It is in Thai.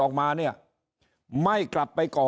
ถ้าท่านผู้ชมติดตามข่าวสาร